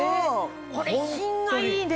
これ品がいいね！